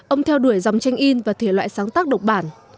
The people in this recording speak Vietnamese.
ông theo đuổi dòng tranh in và thể loại sáng tác độc bản